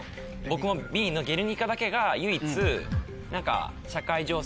僕もＢの『ゲルニカ』だけが唯一。